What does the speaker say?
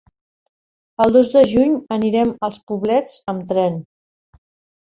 El dos de juny anirem als Poblets amb tren.